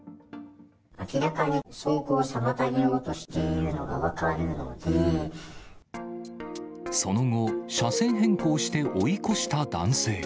明かに走行を妨げようとしてその後、車線変更して追い越した男性。